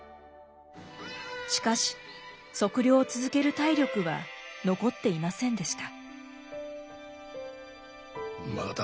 しかし測量を続ける体力は残っていませんでした。